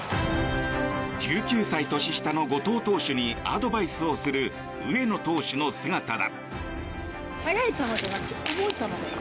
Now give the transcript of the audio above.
１９歳年下の後藤投手にアドバイスをする上野投手の姿だ。